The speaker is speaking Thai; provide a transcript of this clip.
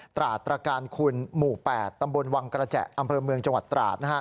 ตราดตรการคุณหมู่๘ตำบลวังกระแจอำเภอเมืองจังหวัดตราด